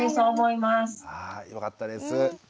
はいよかったです。